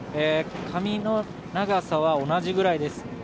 髪の長さは同じぐらいです。